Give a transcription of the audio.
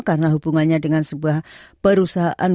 karena hubungannya dengan sebuah perusahaan